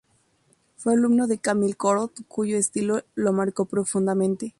Fue alumno de Camille Corot, cuyo estilo lo marcó profundamente.